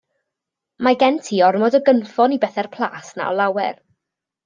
Mae gen ti ormod o gynffon i bethe'r Plas 'na o lawer.